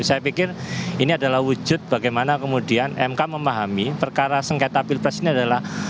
saya pikir ini adalah wujud bagaimana kemudian mk memahami perkara sengketa pilpres ini adalah